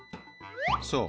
そう。